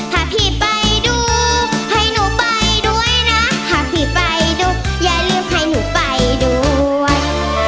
ถ้าพี่ไปดูให้หนูไปด้วยนะถ้าพี่ไปดูอย่าลืมให้หนูไปด้วย